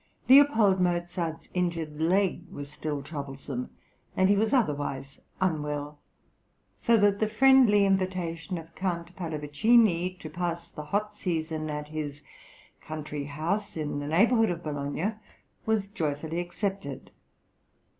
L. Mozart's injured leg was still troublesome, and he was otherwise unwell, so that the friendly invitation of Count Pallavicini, to pass the hot season at his country house in the neighbourhood of Bologna, was joyfully accepted.